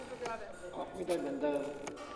ออกไม่ได้เหมือนเดิม